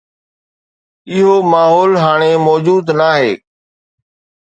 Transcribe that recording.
اهو ماحول هاڻي موجود ناهي.